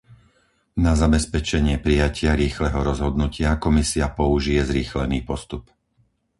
Na zabezpečenie prijatia rýchleho rozhodnutia Komisia použije zrýchlený postup.